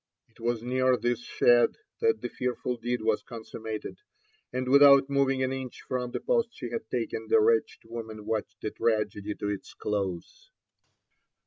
It was near this shed that the fear ful deed was consummated, and without moving an inch from the post she had taken, the wretched woman watched the tragedy to its close.